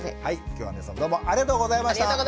はい今日は皆さんどうもありがとうございました！